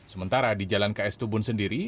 sementara di jalan ks tubun sendiri